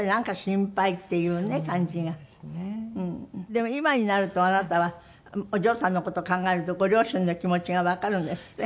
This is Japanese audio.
でも今になるとあなたはお嬢さんの事を考えるとご両親の気持ちがわかるんですって？